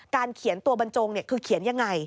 การเขียนตัวบรรจงคือเขียนอย่างไร